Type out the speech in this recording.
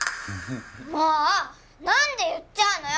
もうなんで言っちゃうのよ！